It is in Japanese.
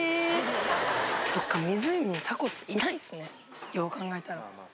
そっか、湖にタコっていないんですね、よう考えたら。